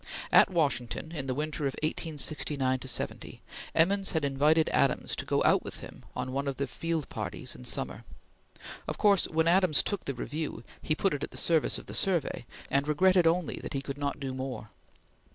At Washington in the winter of 1869 70, Emmons had invited Adams to go out with him on one of the field parties in summer. Of course when Adams took the Review he put it at the service of the Survey, and regretted only that he could not do more.